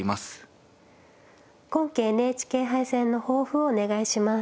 今期ＮＨＫ杯戦の抱負をお願いします。